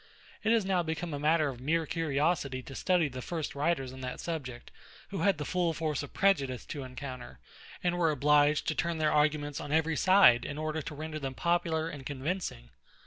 It is now become a matter of mere curiosity to study the first writers on that subject, who had the full force of prejudice to encounter, and were obliged to turn their arguments on every side in order to render them popular and convincing.